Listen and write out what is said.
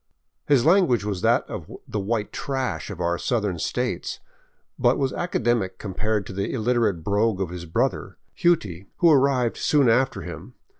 His language was that of the " white trash " of our southern states, but was academic compared to the illiterate brogue of his brother, " Hughtie," who arrived soon after him.